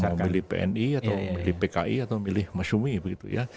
apa mau pilih pni atau pilih pki atau pilih masyumi begitu ya